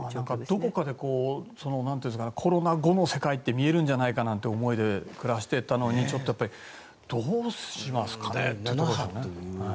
どこかでコロナ後の世界っていうのが見えるんじゃないかなという思いで暮らしていたのにどうしますかね。